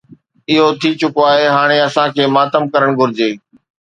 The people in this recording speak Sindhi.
اهو ٿي چڪو آهي، هاڻي اسان کي ماتم ڪرڻ گهرجي.